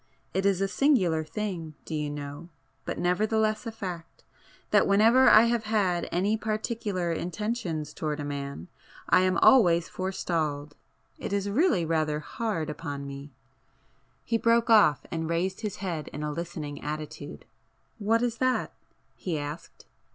It is a singular thing, do you know, but nevertheless a fact, that whenever I have had any particular intentions towards a man I am always forestalled! It is really rather hard upon me!" He broke off and raised his head in a listening attitude. "What is that?" he asked.